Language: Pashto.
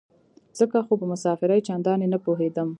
ځکه خو په مسافرۍ چندانې نه پوهېدم.